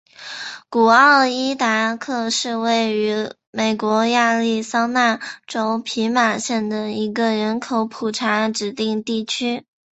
古奥伊达克是位于美国亚利桑那州皮马县的一个人口普查指定地区。